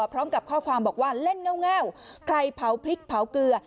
พร้อมกับข้อความบอกว่าเล่นเง่าใครเผาพริกเผาเกลือ